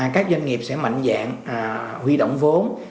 các doanh nghiệp sẽ mạnh dạng huy động vốn